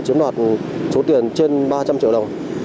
chiếm đoạt số tiền trên ba trăm linh triệu đồng